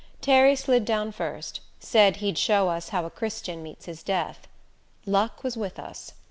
Terry slid down first said he'd show us how a Christian meets his death. Luck was with us.